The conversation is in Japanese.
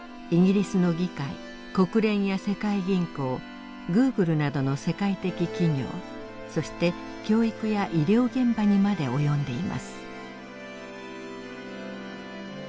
イギリスの議会国連や世界銀行グーグルなどの世界的企業そして教育や医療現場にまで及んでいます。